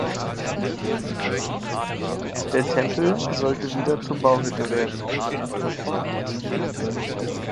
Der Tempel sollte wieder zur Bauhütte werden.